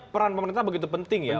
peran pemerintah begitu penting ya